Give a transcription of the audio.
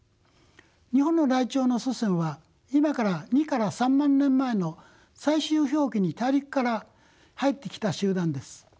日本のライチョウの祖先は今から２から３万年前の最終氷期に大陸から入ってきた集団です。